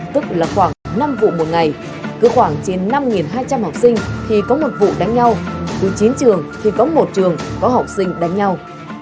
tức là khoảng năm vụ một ngày cứ khoảng trên năm hai trăm linh học sinh thì có một vụ đánh nhau cứ chín trường thì có một trường có học sinh đánh nhau